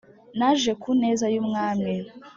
Naje ku neza y'umwami